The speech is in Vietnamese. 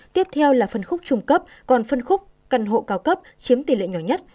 tiếp theo là phân khúc trung cấp còn phân khúc căn hộ cao cấp chiếm tỷ lệ nhỏ nhất